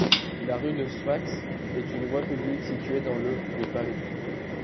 La rue de Sfax est une voie publique située dans le de Paris.